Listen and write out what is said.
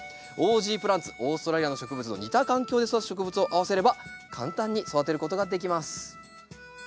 オーストラリアの植物の似た環境で育つ植物を合わせれば簡単に育てることができます。